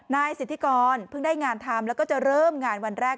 นายสิทธิกรเพิ่งได้งานทำแล้วก็จะเริ่มงานวันแรก